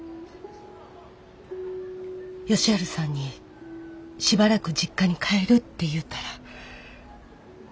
佳晴さんにしばらく実家に帰るって言うたら。